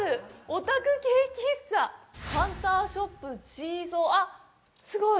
オタク系喫茶ハンターショップちーぞーすごい。